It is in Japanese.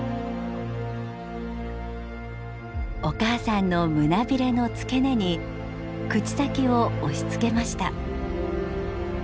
お母さんの胸びれの付け根に口先を押しつけました。